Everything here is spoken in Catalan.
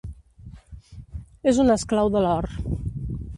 És un esclau de l'or.